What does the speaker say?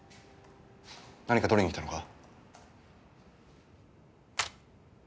何か取りに来たのか？